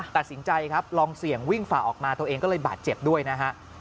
ตัดสินใจครับลองเสี่ยงวิ่งฝ่าออกมาตัวเองก็เลยบาดเจ็บด้วยนะฮะ